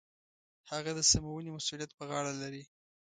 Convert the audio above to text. هغه د سمونې مسوولیت په غاړه لري.